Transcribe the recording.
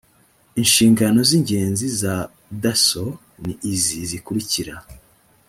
inshingano z ingenzi za dasso ni izi zikurikira